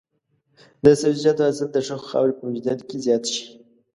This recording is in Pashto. د سبزیجاتو حاصل د ښه خاورې په موجودیت کې زیات شي.